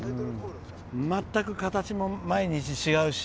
全く形も毎日違うし。